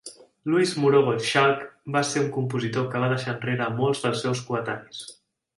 Louis Moreau Gottschalk va ser un compositor que va deixar enrere a molts dels seus coetanis.